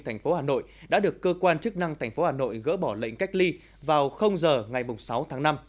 thành phố hà nội đã được cơ quan chức năng thành phố hà nội gỡ bỏ lệnh cách ly vào giờ ngày sáu tháng năm